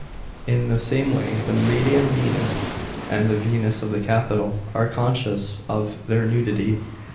In the same way, the Medicean Venus and the Venus of the Capitol are* conscious of their nudity.